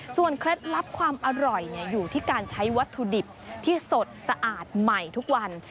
เคล็ดลับความอร่อยอยู่ที่การใช้วัตถุดิบที่สดสะอาดใหม่ทุกวัน